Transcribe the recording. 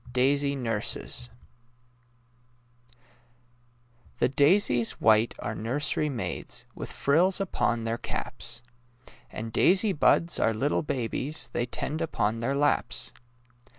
DAISY NURSES The daisies white are nursery maids, With frills upon their caps; And daisy buds are little babies They tend upon their laps.